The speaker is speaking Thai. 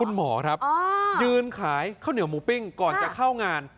หมอครับยืนขายข้าวเหนียวหมูปิ้งก่อนจะเข้างาน